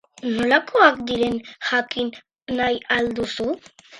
Nolakoak diren jakin nahi al duzu?